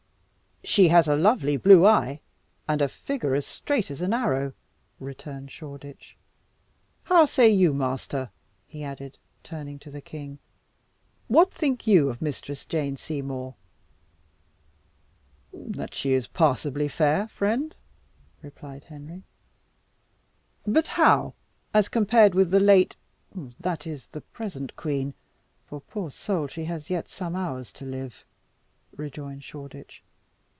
"She has a lovely blue eye, and a figure as straight as an arrow," returned Shoreditch. "How say you, master?" he added, turning to the king; "what think you of Mistress Jane Seymour?" "That she is passably fair, friend," replied Henry. "But how as compared with the late that is, the present queen, for, poor soul! she has yet some hours to live," rejoined Shoreditch.